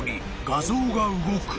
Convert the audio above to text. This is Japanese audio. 画像が動く。